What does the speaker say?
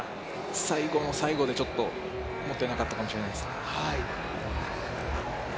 最後の最後でちょっともったいなかったかもしれないですね。